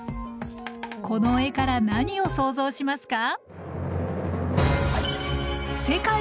この絵から何を想像しますか？